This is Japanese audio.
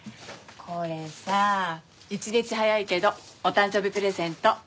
これさ１日早いけどお誕生日プレゼント。